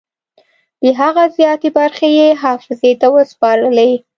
د هغه زیاتې برخې یې حافظې ته وسپارلې.